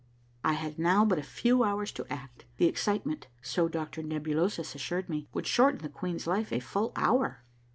" I had now but a few hours to act. The excitement, so Doc tor Nebulosus assured me, would shorten the queen's life a full hour."